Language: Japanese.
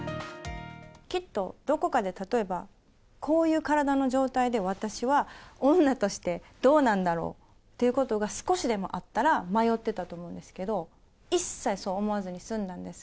きっとどこかで例えば、こういう体の状態で、私は女としてどうなんだろうっていうことが少しでもあったら、迷ってたと思うんですけど、一切そう思わずに済んだんです。